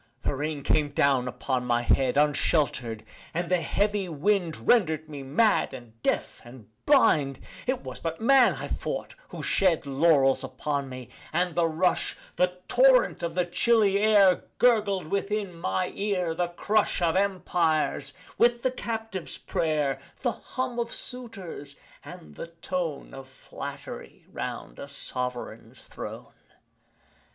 The rain came down upon my head Unshelter'd and the heavy wind Rendered me mad and deaf and blind. It was but man, I thought, who shed Laurels upon me: and the rush The torrent of the chilly air Gurgled within my ear the crush Of empires with the captive's prayer The hum of suitors and the tone Of flattery 'round a sovereign's throne.